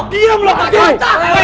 diam lo pak editor